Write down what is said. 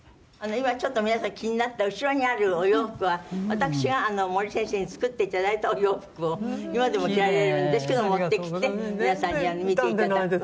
今ちょっと皆さん気になった後ろにあるお洋服は私が森先生に作って頂いたお洋服を今でも着られるんですけど持ってきて皆さんには見て頂くと。